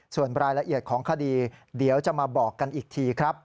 ส่วนรายละเอียดของคดีเดี๋ยวจะมาบอกกันอีกทีครับ